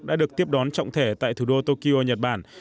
đã được tiếp đón trọng thể tại thủ đô tokyo nhật bản